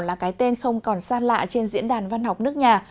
là cái tên không còn xa lạ trên diễn đàn văn học nước nhà